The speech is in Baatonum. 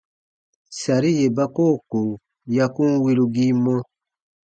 Sari yè ba koo ko ya kun wirugii mɔ.